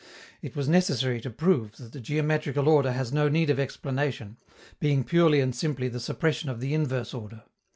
It was necessary to prove that the geometrical order has no need of explanation, being purely and simply the suppression of the inverse order.